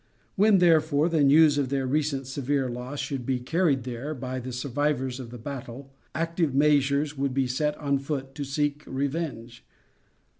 When therefore the news of their recent severe loss should be carried there by the survivors in the battle, active measures would be set on foot to seek revenge.